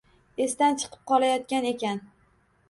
Esdan chiqib qolayotgan ekan